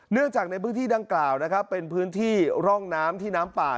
เนื่องจากในพื้นที่ด้านกล่าวเป็นพื้นที่ร่องน้ำที่น้ำป่า